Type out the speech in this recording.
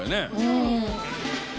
うん。